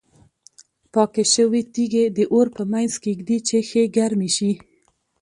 پاکې شوې تیږې د اور په منځ کې ږدي چې ښې ګرمې شي.